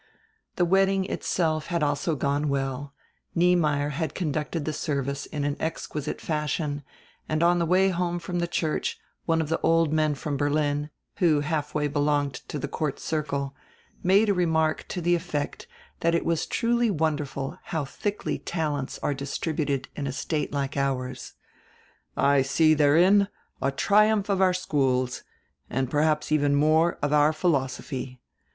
The wedding itself had also gone well, Niemeyer had conducted the service in an exquisite fashion, and on the way home from the church one of the old men from Berlin, who half way belonged to the court circle, made a remark to the effect that it was truly wonderful how thickly talents are distributed in a state like ours. "I see therein a triumph of our schools, and perhaps even more of our philosophy.